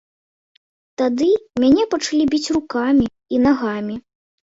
Тады мяне пачалі біць рукамі і нагамі.